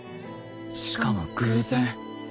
しかも偶然